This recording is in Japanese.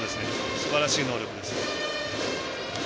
すばらしい能力です。